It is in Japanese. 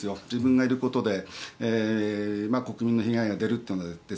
自分がいることで国民の被害が出るというのは。